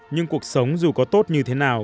nhưng cuộc sống dù có tốt như thế nào